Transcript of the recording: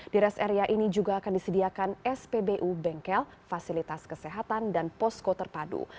di rest area ini juga akan disediakan spbu bengkel fasilitas kesehatan dan posko terpadu